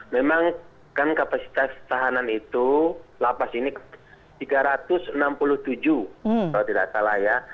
memang kan kapasitas tahanan itu lapas ini tiga ratus enam puluh tujuh kalau tidak salah ya